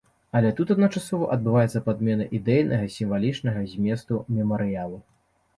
Але тут адначасова адбываецца падмена ідэйнага, сімвалічнага зместу мемарыялу.